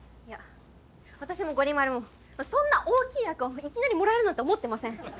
いや私もゴリ丸もそんな大きい役をいきなりもらえるなんて思ってません。